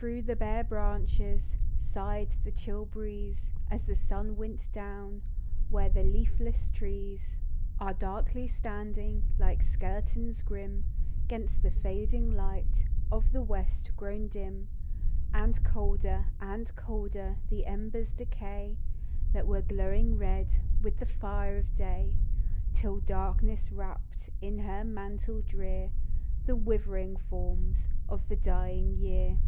Through the hare branches Sigh'd the chill breeze, As the sun went down Where the leafless trees THE DEW DROP. Are darkly standing, Like skeletons grim, Gainst the fading light Of the west, grown dim ; And colder and colder The embers decay That were glowing red With the tire of day, Till darkness wrapp'd In her mantle drear, The withering forms Of the dying year.